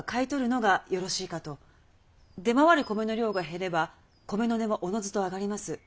出回る米の量が減れば米の値はおのずと上がります。